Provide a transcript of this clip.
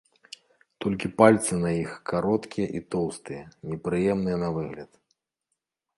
Толькі пальцы на іх кароткія і тоўстыя, непрыемныя на выгляд.